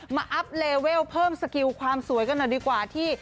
อัพเลเวลเพิ่มสกิลความสวยกันหน่อยดีกว่าที่